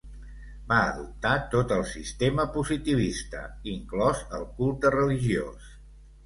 Va adoptar tot el sistema positivista, inclòs el culte religiós.